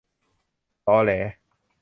ตอแหล